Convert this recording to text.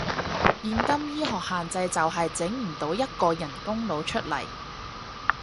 現今醫學限制就係，整唔到一個人工腦出嚟